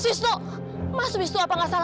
ini pasti baju saya